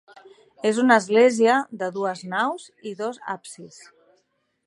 És una església de dues naus i dos absis.